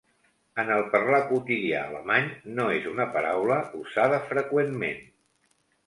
En el parlar quotidià alemany, no és una paraula usada freqüentment.